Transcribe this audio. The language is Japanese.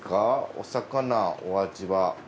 お魚お味は。